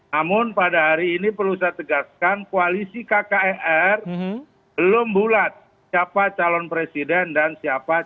namun pada hari ini perlu saya tegaskan koalisi kkir belum bulat siapa calon presiden dan siapa cawapres